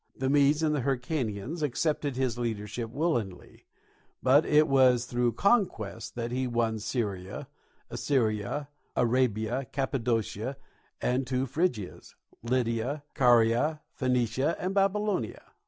The Medes and the Hyrcanians accepted his leadership willingly, but it was through conquest that he won Syria, Assyria, Arabia, Cappadocia, the two Phrygias, Lydia, Caria, Phoenicia, and Babylonia.